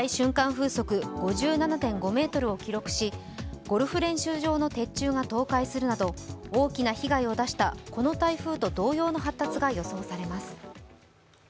風速５７．５メートルを記録し、ゴルフ練習場の鉄柱が倒壊するなど大きな被害を出したこの台風と同様の発達が予想されます。